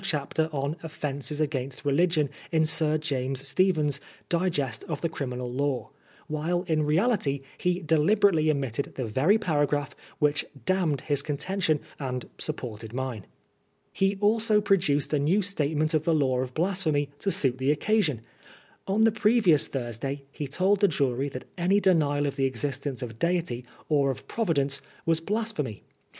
chapter on Offences against Religion in Sir James Stephen's "Digest of the Criminal Law," while in reality he deliberately omitted the very paragraph which damned his contention and supported mine. He also produced a new statement of the Law of Blasphemy to suit the occasion. On the previoas Thursday he told the jury that any denial of the exis tence of Deity or of Providence was blasphemy.